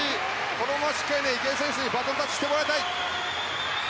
このまま池江選手にバトンタッチしてもらいたい！